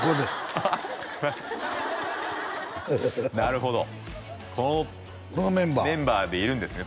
ああなるほどこのメンバーでいるんですね